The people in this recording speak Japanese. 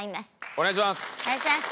お願いします！